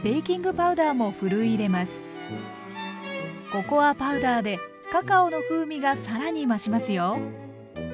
ココアパウダーでカカオの風味が更に増しますよ。